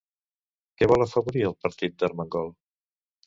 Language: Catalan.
Què vol afavorir el partit d'Armengol?